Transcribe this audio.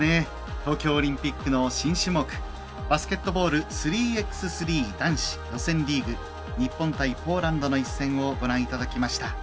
東京オリンピックの新種目バスケットボール３ｘ３男子予選リーグ日本対ポーランドの一戦をご覧いただきました。